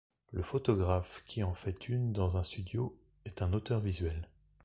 Le photographe qui en fait une dans un studio, est un auteur visuel.